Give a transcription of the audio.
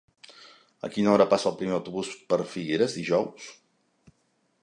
A quina hora passa el primer autobús per Figueres dijous?